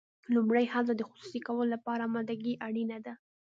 لومړی هلته د خصوصي کولو لپاره امادګي اړینه ده.